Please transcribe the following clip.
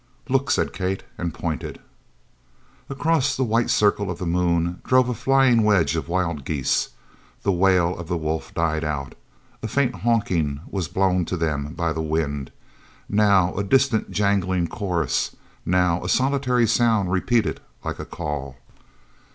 "Look!" said Kate, and pointed. Across the white circle of the moon drove a flying wedge of wild geese. The wail of the wolf died out. A faint honking was blown to them by the wind, now a distant, jangling chorus, now a solitary sound repeated like a call.